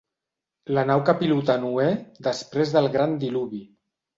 La nau que pilotà Noè després del gran diluvi.